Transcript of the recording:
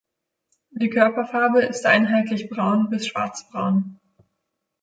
Die Körperfarbe ist einheitlich braun bis schwarz-braun.